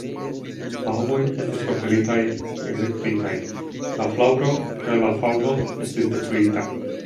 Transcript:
La homoj estis forpelitaj, ekzekutitaj; la flaŭro kaj la faŭno estis detruita.